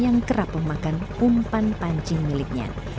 yang kerap memakan umpan pancing miliknya